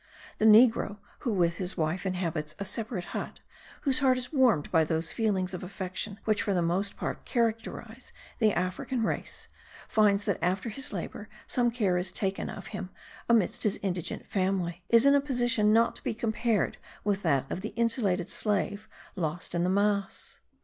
The negro, who with his wife inhabits a separate hut, whose heart is warmed by those feelings of affection which for the most part characterize the African race, finds that after his labour some care is taken of him amidst his indigent family, is in a position not to be compared with that of the insulated slave lost in the mass.